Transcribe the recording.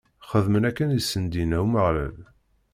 Xedmen akken i sen-d-inna Umeɣlal.